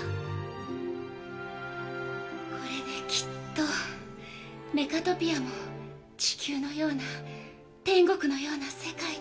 これできっとメカトピアも地球のような天国のような世界に。